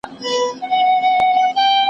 مور د ماشوم د ورځني نظم څارنه کوي.